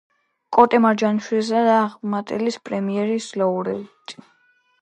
კოტე მარჯანიშვილისა და ახმეტელის პრემიების ლაურეატი.